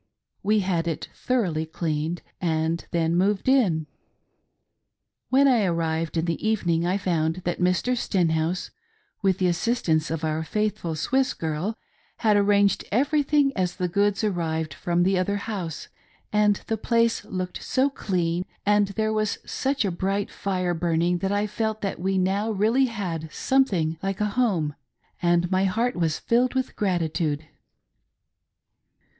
We had it thoroughly cleaned, and then moved in. When I arrived in the evening I found that Mr. Stenhouse, with the assistance of our faithful Swiss girl, had arranged everything as the goods arrived from the other house ;, and the place looked so clean, and there was such a bright fire burning that I felt that we now had really some thing like a home, and my heart was filled with gratitude.